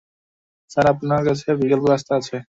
Sir, আমার কাছে বিকল্প রাস্তা আছে।